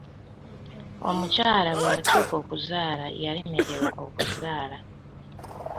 Omukyala bwe yatuuka okuzaala yalemererwa okuzaala.